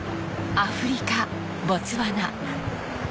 アフリカボツワナ